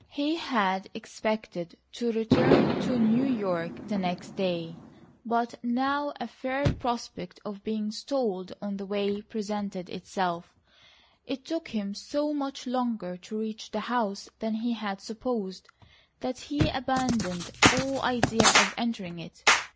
He had expected to return to New York the next day, but now a fair prospect of being stalled on the way presented itself. It took him so much longer to reach the house than he had supposed, that he abandoned all idea of entering it.